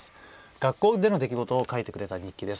学校での出来事を書いてくれた日記です。